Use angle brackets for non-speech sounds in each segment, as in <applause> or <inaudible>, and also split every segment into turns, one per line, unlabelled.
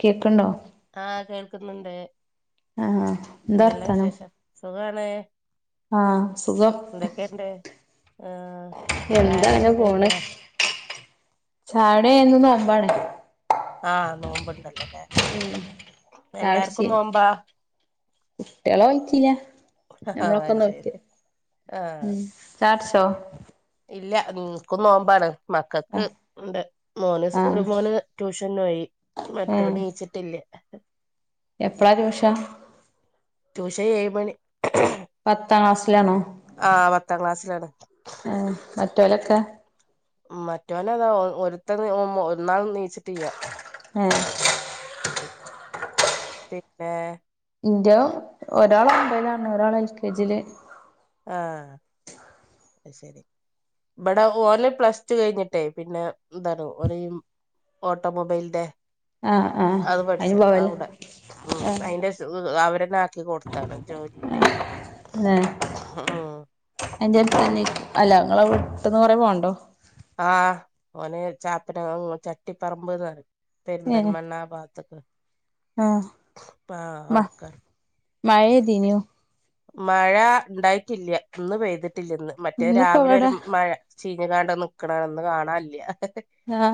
കേൾക്കുണ്ടോ
ആഹ് കേൾക്കുന്നുണ്ട്
ആഹ് എന്താ
എന്തെല്ലാം വിശേഷം സുഖാണ്
ആ സുഖം
ആ
എന്താ അങ്ങനെ
ചായുടിയൊക്കെ കഴിഞ്ഞ
പോണ് ചായുടി എന്നൊന്നമ്പാണ്
ആഹ് നോമ്പ്ണ്ടല്ലോല്ലേ എല്ലാർക്കും നോമ്പാ
കുട്ടികള വഴിക്കില്ല നഞമ്മളൊക്കെ
അത് ശരി
നോറ്റ്
ആഹ്
ഉം ചായുടിച്ചോ
എനക്കും നോമ്പാണ്
ആഹ്
മക്കൾക്ക്ണ്ട് എ മോന് ഒരു
ആഹ്
മൂന്ന് ട്യൂഷന് പോയി മറ്റോ നീച്ചിട്ടില്ല
എപ്പഴാ ട്യൂഷൻ
ടൂഷൻ ഏയ് മണി
പത്താം ക്ലാസ്സിലാണോ
ആ പത്താം ക്ലാസ്സിലാണ്
ലക്ക്
മറ്റവന അതാ ഒരുത്ത ഒന്നാൾ നീയിച്ചിട്ട് ചെയ്യാ
മം
മ പിന്നെ
ഇന്റെയ ഒരാള് ഒമ്ബൈലാണ് ഒരാള് എൽ കെ ജിയില്
ആ അത് ശരി ഇവിടെ ഓൽ പ്ലസ് ടു കഴിഞ്ഞിട്ടേ പിന്നെ എന്താണ് ഓന ഓട്ടോമോബൈൽ ഡ
ആഹ് ആഹ്
അത്
അയിന് പോവല്ല
പഠിച്ചവിടെ ഉ
ആഹ്
അയിന്റെ അവ എടെ ആാക്കി കൊടുത്താണ് ജോലിയുടെ ആ
എന്റെറെ അ അല്ല നിങ്ങള വീട്ടന്ന് കുറേ പോവണ്ടോ
ആഹ് ഓനെ ചാപ്പിന ചട്ടി പറമ്പ്
ഏഹ്
പെരുന്തന്മണാ പാത്തക്ക്
ആഹ്
ആ അവിടുക്ക
മഴേതിന്യു
മഴ ഉണ്ടായിട്ടില്ല ഇന്ന് പെയ്തിട്ടില്ല ഇന്ന് മറ്റേ
ഇന്നിപ്പോ
രാവിലെ
ഇവിടെ
ഒരു മഴ ചീഞ്ഞ കാണ്ട നിക്കണന്ന് കാണല്ല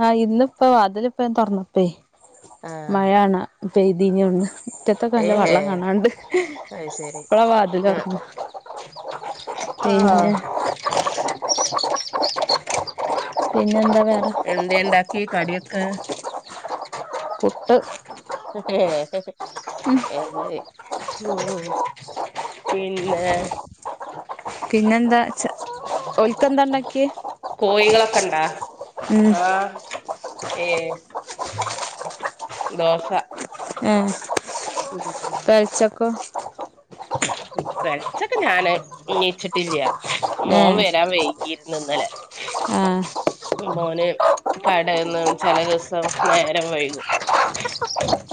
ആ ഇന്നിപ്പോ അതിലിപ്പ തുൊറന്നപ്പേ
ആഹ്
മഴയാണ് പെയ്തിനോന്ന് മുറ്റത്തക്കെ നല്ല
ഏഹേ
വള്ളം കാണാണ്ട്
അത് ശരി
ഇപ്പളാ വാതിലാർന്നെ പിന്നെ
ആഹ്
പിന്നെ ന്താ വേറെ
എന്തേണ്ടാക്കി കടിയൊക്കെ
പുട്ട്
പിന്നെ
പിന്നെന്താ ചെ ഓൽക്കന്താ ണ്ടാക്കിയേ
കോഴികളെക്കെ ഇണ്ടാ ആ ഏ ദോശ
ഏ പെൽചക്കോ
പെൽച്ചക് ഞാന് നീച്ചിട്ടില്ല്യാ
ഏ
മോൻ വരാൻ വൈകിര്ന്നു ഇന്നലേ
ആ
മോന് കടേന്ന് ചെലെ ദിവസം നേരം വൈകും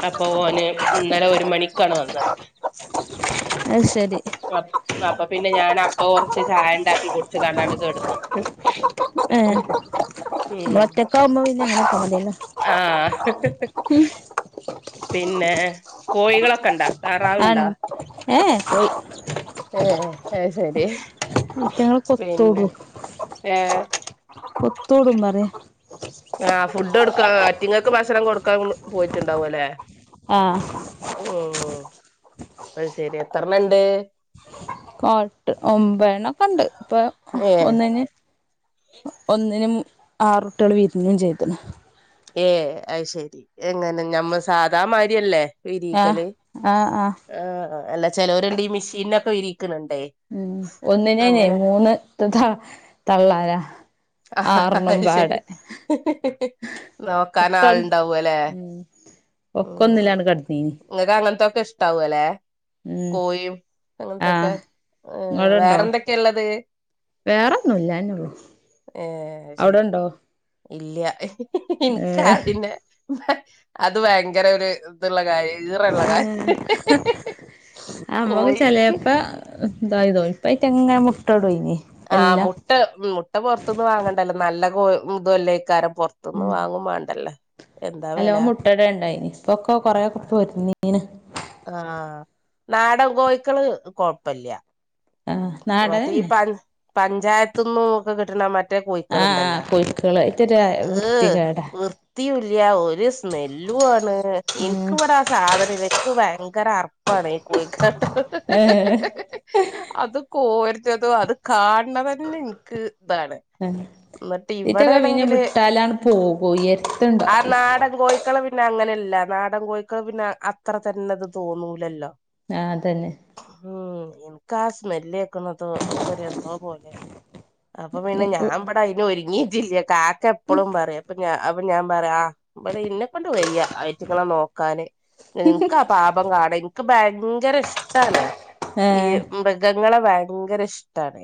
അപ്പൊ ഓന് ഇന്നലെ ഒരു മണിക്കാണ് വന്നത്
അത് ശരി
അപ്പ് അപ്പൊ പിന്നെ ഞാൻ അപ്പെ കൊറച്ച് ചായണ്ടാക്കി കുട്ച്ച് കാണ്ടങ്ങ് കെടന്ന്
ഏ മ്മളൊറ്റാക്കാവുമ്പോ പിന്നെ അങ്ങനൊക്കെ മതിയല്ലോ
ആ
ഉം
പിന്നെ കോഴികളൊക്കെ ഇണ്ടോ
ആണ്ട് ഏ എ
ഏ എ ശെരി
ഈറ്റങ്ങള്
പിന്നെ ഏ
ബത്തുടുമ്മ്മ്പറെ
ആ ഫുഡ് ടൊടുക്കാ ആറ്റിങ്ങക്ക് ഭക്ഷണം കൊടുക്കാൻ പോയിട്ടുണ്ടാവുംല്ലേ
ആ
അയ് ശെരി എത്രണ്ണണ്ട്
പാട്ട് ഒമ്പണ്ണൊക്കെണ്ട് ഇപ്പൊ
ഏഹ്
ഒന്ന് ൻ ഒന്നിൻ മു ആറുട്ടിയാള് വിര്ഞ്ഞും ചെയ്ത്
ഏ അഹ് ശെരി എങ്ങനെ ഞമ്മ സാദാമാരിയല്ലേ
ആഹ്
വിരീക്കല്
ആഹ് ആഹ്
ആ അല്ല ചേലോര്ണ്ട് ഈ മീഷീനൊക്കെ വിരിക്ണ്ണ്ണ്ടേ
ഒന്നിനെയ് മൂന്ന് ത തള്ളാരാ
ആ
ആറെണ്ണം
അഹ്
പാടെ
ശെരി നോക്കൻ
ഒക്കെ
ആൾുണ്ടാവുംല്ലെ
ഉം ഒക്കെ ഒന്നിലാണ് കടന്നീനി
ക്കെഷ്ടാവോല്ലെ കോഴും ന്നൊന്തെക്ക
ആഹ്
വേറെന്തൊക്കെള്ളത്
വേറെൊന്നുംല്ല അഎന്നെള്ളു അവ്ടെ ണ്ടോ
ഇല്ല ഇൻക്ക് ആതിനെ അത് വയങ്കര ഒര് ഇത്ള്ള കാര്യ
അമ്മക്ക്
കോഴി
ചേലേപ്പ തായി തോ പ്പയ്ട്ടെങ്ങനെ മുട്ടോടെ
ആ മുട്ട മുട്ട പൊർത്ത് ന്ന് വാങ്ങണ്ടല്ലോ നല്ല കോഴ് കൊല്ലേ യ്ക്കാരം പൊറത്ത്ന്ന് വാങ്ങും മാണ്ടല്ലോ
അലോ മുട്ടടൽ ണ്ടേയ്നി ഇപ്പൊക് കൊറേയൊക്കെ പൊര്ന്നീണ്
ആ നാടൻ കോഴിക്കള് കൊഴപ്പല്ല
ആഹ്
മറ്റേ ഈ
നാടനെന്നെ
പഞ പഞ്ചായത്ത്ന്നും ഒക്കെ കിട്ട്ണ മറ്റേ
ആഹ് ആഹ്
കോഴിക്കളുണ്ടല്ലാ
പുഴുക്കളായിട്ടൊരു
ഹ്
വൃത്തികേടാ
വൃത്തിയുല്ല ഒരു സ്മെല്ലും ആണ്
ഉം
ഇൻക്ക് ഇബടെ ആ സാധനം ഇൻക് വയങ്കര അർപ്പാണ് ഈ കോഴിക്കാട്ടം
ഏഹ്
കോര്ണതോ അത് കാണ് ണതന്നെ ഇൻക്ക് താണ്
ആഹ്
ന്നിട്ട് ഇ
ഇറ്റൊക്കെ പിന്നെ
വ്ടെയാണെങ്കില്
വിട്ടാലാണ് പോകും
ആ
എര്ത്ത്ണ്ടാവൂല
നാടൻ കോഴിക്കളെ വിട്ട പിന്നെ അങ്ങനെല്ല നാടൻ കോഴക്കള് പിന്നെ അത്ര തന്നെത് തോന്നൂലല്ലോ
ആ അതന്നെ
ൻക്ക് ആ സ്മെല്ല് കേൾക്കുന്നതും ഒക്കെ ഒരേ എന്തോ പോലെണ് അപ്പൊ പിന്നെ
ഉം
ഞാൻ
ഉ
ഇവിടെ അയിന് ഒര ങ്ങിജില്ലയൊക്കെ കാക്ക എപ്പളും പറയും അപ്പൊ ഞാ അ പ് അപ്പൊ ഞാൻ പറയാ ഇവിടെ ഇന്നെ കൊണ്ട് വയ്യ അയ്റ്റങ്ങളെ നോക്കാന് ഇൻക്കാ പാപം കാട എനിക്ക് ഭയങ്കര ഇഷ്ടാണ്
ആ
ഈ മൃഗങ്ങളെ ഭയങ്കര ഇഷ്ടമാണ്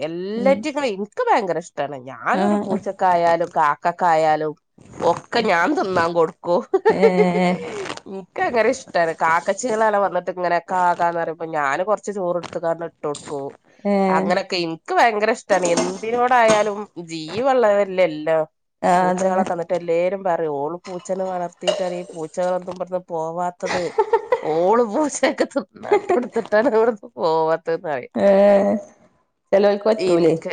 ഉം
എല്ലാറ്റ് ങ്ങളീം എനിക്ക് ഭയങ്കര ഇഷ്ടമാണ് ഞാനൊരു
ആഹ്
പൂച്ചക്കായാലും കാക്കക്കായാലും ഒക്കെ ഞാൻ തിന്നാൻ കൊടുക്കും ഹ ഹ ഹ
ഏഹ്
ഇൻക് ഭയങ്കര ഇഷ്ട കാക്കച്ചികള ല വന്നട്ട് ഇങ്ങനൊക്കെ കാ കാന്ന് പറയുമ്പം ഞാന് കുറച്ച് ചോറ്ടുത്ത് കാണ്ട് ഇട്ടോട്ക്കും
ഏഹ്
അങ്ങനെയൊക്കെ എനിക്ക് ഭയങ്കര ഇഷ്ടമാണ് എന്തിനോടായാലും ജീവള്ളതല്ല ല്ല
ആഹ് അതന്നെ
പൂച്ചകളൊക്കെ വന്നിട്ട് എല്ലാവരും പറയും ഓള് പൂച്ചനെ വളർത്തിട്ടാണ് ഈ പൂച്ചകളൊന്നും ബട്ന്ന് പോവാത്തത് ഓള് പൂചക്കൊക്കെ തിന്നാട്ട് കൊടുത്ത്ട്ടാണ് ഇവിടുന്ന് പോവാത്തത്
ഏഹ് ചെലോൽക്ക് പറ്റൂലേ
എനിക്ക്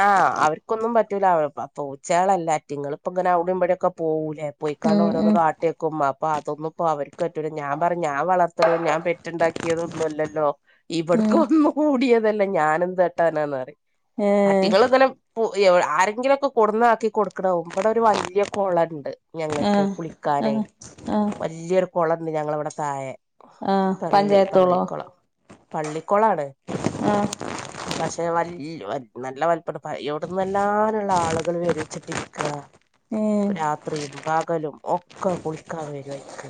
ആ അവർക്കൊന്നും പറ്റൂല അവ പൂച്ചകളല്ലേ അയ്റ്റിങ്ങൾപ്പോ ഇങ്ങനെ അവിടെ ഇവടെക്കെ പോകൂേ പോയിക്കാണ്ട്
ഉം
ഓരോന്ന
ഉം
കാട്ടിയെക്കും അപ്പൊ അതൊന്നും ഇപ്പം അവർക്ക് പറ്റില്ല ഞാൻ പറഞ് ഞാൻ വളർത്തണതും ഞാൻ പെറ്റുണ്ടാക്കിയതൊന്നുമല്ലല്ലോ ഇവടക്ക്
ഉം
വന്ന് കൂടിയതല്ല ഞാൻ എന്ത് കാട്ടാന
ഏഹ്
അയ്റ്റിങ്ങൾ ഇങ്ങനെ ആരെങ്കിലുക്കെ കൊട്ന്നാക്കി കൊടുക്കണാവും ഇവിടെ ഒരു വലിയ കുള ഉണ്ട് ഞങ്ങക്ക്
ആഹ്
കുളിക്കാനെ
ആഹ് ആഹ്
വലിയൊരു കുളണ്ട് ഞങ്ങളവിടെ താഴെ
ആഹ്
പള്ളി
പഞ്ചായത്തോളോ
പള്ളിക്കുളം പള്ളിക്കുളാണ്
ആ
പക്ഷ വല്യ നല്ല വൽപ്പണ്ട് എവിടെന്നല്ലാംന്ന്ള്ള ആളുകൾ വരുച്ചിട്ടിരിക്കുക
ഏഹ്
രാത്രിയും പകലും ഒക്കെ കുളിക്കാൻ വരും അയ്ക്ക്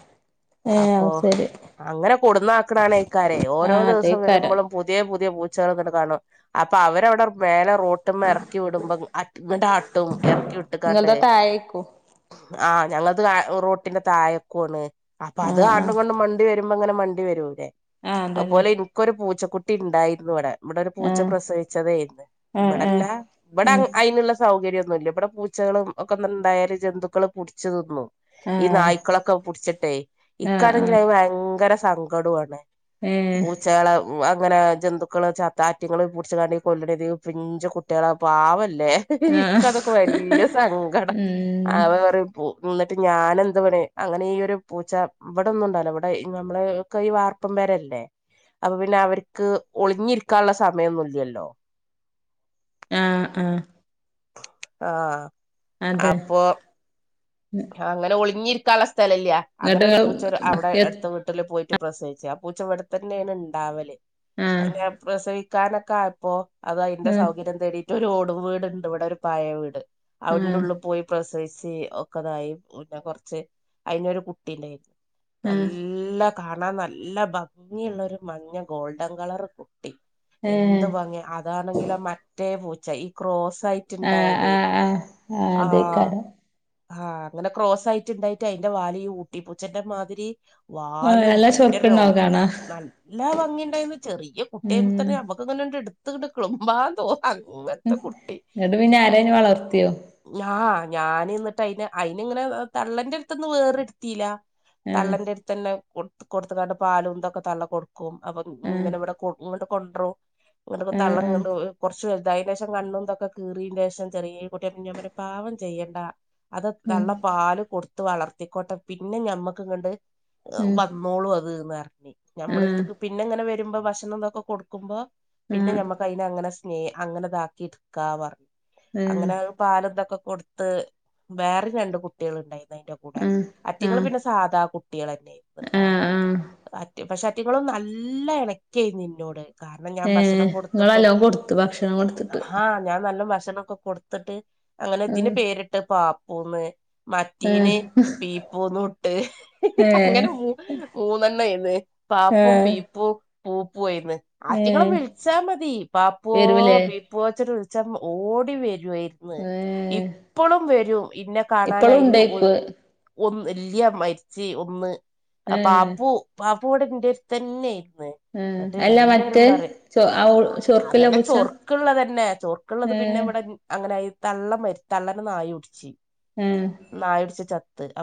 ഏഹ്
അപ്പൊ
അത് ശരി
അങ്ങനെ കൊടുന്ന ആക്കണെക്കാരെ ഓരോ
ആ
ദിവസം
അതെകാരം
വരുമ്പോഴും പുതിയ പുതിയ പൂച്ചകൾ ഇങ്ങനെ കാണും അപ്പൊ അവരവിടെ മേെലേ റോഡ് മേൽ ഇറക്കി വിടുമ്പോ അ ട്ടും ഇറക്കി വിട്ട്ക്കാണ്ടേ
നിങ്ങൾതാ താഴേക്കും
ആ ഞ അത് റോട്ടിന്റെ തായക്കുവണ് അപ്പൊ അത്
ആഹ്
ആട്ടും ഇങ്ങട്ടും മണ്ടി വരുമ്പോ ഇങ്ങനെ മണ്ടി വരൂല്ലേ
ആഹ് ആഹ് അതന്നെ
അതുപലെ ഇനിക്കൊരു പൂച്ചക്കുട്ടി ഉണ്ടായിരുന്നു ഇവിടെ ഇവിടെ ഒരു പൂച്ച
ആഹ്
പ്രസവിച്ചതായിന്ന്
ആഹ്
ഇവിടെല്ല
ആഹ്
ഇവിടെ
ഉം
അതിനുള്ള സൗകര്യോന്നുല്ല ഇവിടെ പൂച്ചകളും ഒക്കെ ഇണ്ടായാൽ ജന്തുക്കൾ പുടിച്ച് തിന്നും ഈ നായ്ക്കളൊക്കെ പിടിച്ചിട്ടെ
ആഹ്
ഇക്കാണെങ്കിൽ അത് ഭയങ്കര സങ്കടമാണ്
ആ
പൂച്ചകളെ അങ്ങനെ ജന്തുക്കള് ചത്താ അയിറ്റങ്ങൾ പിടിച്ചുകാണ്ട് കൊല്ലേണത് പിഞ്ച കുട്ടികളെ പാവല്ലേ ല്ലെ ഇക്ക
ആഹ്
അതൊക്കെ വല്യ സങ്കടം
ഉം
അവ പറ എന്നിട്ട് ഞൻ എന്ത് പണി അങ്ങനെ ഈ ഒരു പൂച്ച ഇവിടെ ണ്ടല്ലോ ഇവിടെ നമ്മളെക്ക ഈ വാർപ്പും പെരല്ലേ അപ്പൊ പിന്നെ അവർക്ക് ഒളിഞ്ഞിരിക്കാനുള്ള സമയമൊന്നുംല്ലല്ലോ
ആ ആ
ആ അപ്പൊ അങ്ങനെ ഒളിഞ്ഞിരിക്കാനുള്ള സ്ഥലല്ല അങ്ങനെ
ഇങ്ങട്ട്
ഒരു പൂച്ച
ഇങ്ങള്
അവിടെ
എത്
അടുത്ത് വീട്ടില് പോയി പ്രസവിച്ച ആ പൂച്ച വടത്തന്നെയാണ് ഇണ്ടാവല്
ആഹ്
അതിനെ പ്രസവിക്കാനൊക്കെ ആയപ്പോ അത് അതിന്റെ
ആഹ്
സൗകര്യം തേടിയിട്ട് ഒരു ഓടും വീടുണ്ട് ഇവിടെ ഒരു പായെ വീട് അയിന്റെ
ആഹ്
ഉള്ളിൽ പോയി പ്രസവി ഒക്കെതായി പിന്നെ കൊറച്ച് അയിനൊരു കുട്ടിണ്ടായിരുന്നു
ആഹ്
നല്ല കാണാൻ നല്ല ഭംഗിയുള്ള ഒരു മഞ്ഞ ഗോൾഡൻ കളർക്കും
ഏഹ്
എന്ത് ഭംഗിയ അതാണെങ്കിലോ മറ്റേ പൂച്ച ഈ ക്രോ ആയിട്ട്
ആഹ് ആഹ് ആഹ്
ഉണ്ടായതായിരുന്നു
ആഹ്
ആ
അതേക്കാരം
ആഹ് അങ്ങനെ ക്രോസ് ആയിട്ട്ണ്ടായിട്ട് അയിന്റെ വാലി ഊട്ടി പൂച്ചന്റെ മാതിരി
ആ
വാലും
എല്ലാ
അതിന്റെ രോ
ചൊറുക്കുണ്ടാവും കാണാ
നല്ല ഭംഗിണ്ടായിന്ന് ചെറിയ കുട്ടിയായപ്പം
ഉം
തന്നെ ഞമ്മക്ക്ങ്ങനെ ഇട്ത്ത് ക്ള്മ്പാ തോന്നും അങ്ങനത്തെ കുട്ടി
ഇങ്ങട്ട് പിന്നെ ആരേലും വളർത്തിയോ
ആ ഞാനിന്നട്ട് അയിന് ഇങ്ങനെ തള്ളന്റെ അടുത്ത്ന്ന് വേറെടുത്തില്ല
ആഹ്
തള്ളന്റെ അടുത്ത് തന്നെ കൊ കൊടുത്തക്കാട്ട് പാലും ഇന്തൊക്കെ തള്ള കൊടുക്കും അപ്പൊ
ആഹ്
ഇങ്ങനെ ഇവിടെ കൊ ഇങ്ങട്ട് കൊണ്ടറും ഇങ്ങനക്ക
ആഹ് ആഹ്
തള്ളങ്ങള്ൾ കുറ അതിന്റെ ശേഷം കണ്ണുംന്തൊക്കെ കീറീന്റെ ശേഷം ചെറിയ കുട്ടിയ ഞൻ പാവം ചെയ്യേണ്ട അത്
ഉം
നല്ല പാല് കൊടുത്ത വളർത്തിക്കോട്ടെ പിന്നെ ഞമ്മക്ക് ഇങ്ങണ്ട് വന്നോളൂ അത്
ഉം ആഹ്
ഞമ്മളക്ക് പിന്നെ എങ്ങനെ വരുമ്പോ ഭക്ഷണം എന്തൊക്കെ കൊടുക്കുമ്പോ പിന്നെ
ആഹ്
ഞമ്മക്ക് അതിന അങ്ങനെ സ്നേ അങ്ങനെ ഇതാക്കി എടുക്കാ പറഞ്ഞു
ഏഹ്
അങ്ങനെ പാല ഇന്തൊക്കെ കൊടുത്ത് വേറെ രണ്ട് കുട്ടികൾ ഉണ്ടായിരുന്നു അതിന്റെ കൂടെ
ആഹ്
അറ്റിക
ആഹ്
പിന്നെ സാധാ കുട്ടി കുട്ടികൾ
ആഹ് ആഹ്
തന്നൊയിരുന്നുട്ടാറ്റ പക്ഷെ അറ്റികളും നല്ല ഇണക്കായിരുന്നു നിന്നോട് കാരണം ഞാൻ ഭക്ഷണം
ഏഹ്
കൊടുത്തിട്ടും
ഇങ്ങളെല്ലോം കൊടുത്ത് ഭക്ഷണം കൊടുത്തിട്ട്
ആഹ ഞാൻ നല്ല ഭക്ഷ ഭക്ഷൊക്കെ കൊടുത്തിട്ട് അങ്ങനെ ഇതിന്
ആഹ്
പേരിട്ട് പാപ്പൂന്ന് മറ്റീന
ആഹ്
പീ പോൂന്ന ഇട്ട്
ഏഹ്
അങ്ങനെ മ മൂന്നെണ്ണയന്ന് പാപ്പും
ആഹ്
പീപ്പും പൂപ്പുവയിന്ന് ആറ്റിങ്ങളെ
ഏഹ്
വിളിച്ചാ മതി പാപ്പുവോ
വരൂലേ
പീപ്പോച്ചിട്ട് വി പച്ചം ഓടി വരുായിരുന്നു
ഏഹ്
എപ്പോളും വരും ഇന്നെ
ഇപ്പളും
കാണാനതില്
ഉണ്ടേയ്ക്കു
ഒന്ന് എല്യ മരിച്ച് ഒന്ന്
ഏഹ്
പാപ്പു പാപ്പൂ കൂടെ എന്റെ അടുത്ത് തന്നൊയിയിും
ഏഹ്
എന്ന്
അല്ല
എല്ലരും
മറ്റേ
പറയും
ചോ ആ ചൊർക്ക്ല്ല
അതന്നെ
പൂച്ച
ചൊർക്കുള്ളത്ന്നെ ചോർക്കുള്ളത് പിന്നെ
ഏഹ്
ഇവിടെ അങ്ങനെ തള്ള തള്ളന നായ കുടിിച്ച
ഏഹ്
നായ ഉടിച്ച അെ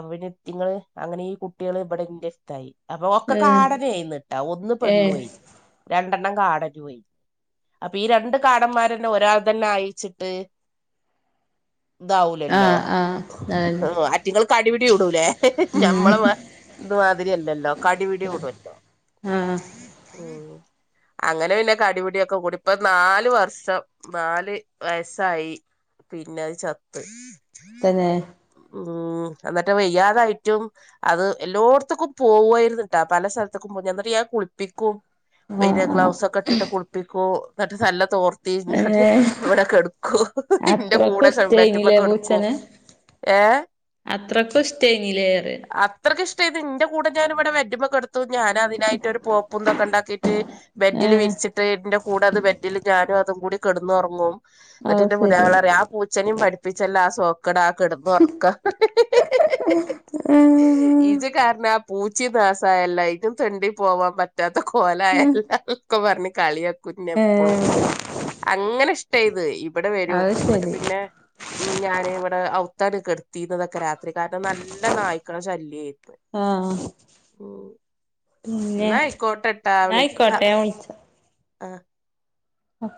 നിങ്ങള്ൾ അങ്ങനെ ഈ കുട്ടികൾ ഇവിടെ ഇായി അപ്പൊ ഒക്കെ
ഏഹ്
കാടന ആയിന്നിട്ടാ ഒന്ന് പെണ്ണു
ഏഹ്
കഴു രണ്ടെണ്ണം കാടന വരുന്നു <unintelligible> അപ്പൊ ഈ രണ്ട് കാടന്മാരന്നെ ഒരാൾ തന്നെ അയിച്ചിട്ട് ഇതാവലല്ലോ
ആഹ് ആഹ് അതന്നെ
ആ ആറ്റുങ്ങൾക്ക് അടിപിടി വിടൂലേ
ഉം
ഞമ്മളെ ഇന്ത്മാതിരിയല്ലല്ലോ കടിപടി വിടുല്ലോ
ആഹ്
ഉ
<unintelligible>
അങ്ങനെ പിന്നെ ക അടിപിടൊക്കെ കൂടി ഇപ്പ നാാല വർഷം നാല് വയസായി പിന്നെ അത് ചത്ത്
തന്നെ
ഉ എന്നിട്ട് വയ്യാതായിട്ടും അത് എല്ലോടത്തക്കും പോവായിരുന്നട്ടാ പല സ്ഥലത്തേക്കും കുളിപ്പിക്കും വ
ആഹ് ആഹ്
ഗ്ലൗസ ഒക്കെ ഇട്ടിട്ട് കുളിപ്പിക്കും എന്നിട്ട് നല്ല തോർ നി കഴിഞ്ഞാല്
ഏഹ്
എവിടെ കെടുക്കുവ എന്റെ
അത്രക്കും
കൂടെ മാറ്റുമ്പോ
ഇഷ്ടേനില്ലേ
കെടുക്കു
പൂച്ചനെ
<unintelligible> ഏ
അത്രക്കും ഇഷ്ടേനില്ലേ പറയ
അത്രക്ക് ഇഷ്ടമായിത് നിന്റെ കൂടെ ഞാനിവിടെ വെറ്റുമ്മൊക്ക എടുത്ത ഞാൻ അതിനായിട്ട് പോപ്പന്തൊക്കെ ഉണ്ടാക്കിട്ട് ബെഡിൽ
ഏഹ്
വിരിച്ചിട്ടന്റെ കൂടെ അത് ബെഡിൽ ഞാനും അതും കൂടി കിടന്നുറങ്ങും
ആ ശരി
അ വളരെ ആ പൂച്ചനയും പഠിപ്പിച്ചല്ല ക്കടാക്ക ഇടന്ന് ഉറക്ക ഈജ കാരണ പൂച്ചിദാസായല്ലായിറ്റും തൊണ്ടി പോവാൻ പറ്റാത്ത കോലായല്ലാം ഒക്കെ പറഞ്ഞ് കളിയ കുഞ്ഞെപ്പോളും
ഏഹ്
അങ്ങനെ ഇഷ്ട ഇത് ഇവിടെ വരൂ
അത്
എന്നിട്ട്
ശരി
പിന്നെ ഉ ഞാന് ഇവിടെ ഔ ത്താണ് കിടുത്തിന്നതൊക്കെ രാത്രി കാര നല്ല നായ്ക്കള ശല്യമായി
ആ പിന്നെ
എന്നാ
നയിക്കോട്ടെ വിളിച്ച
ആ
ഓ